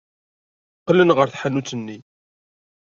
Qqlen ɣer tḥanut-nni.